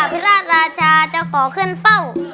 อภิราชราชาจะขอเคลื่อนเฝ้า